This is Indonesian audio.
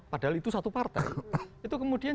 padahal itu satu partai itu kemudian